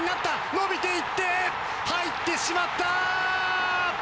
伸びていって、入ってしまった！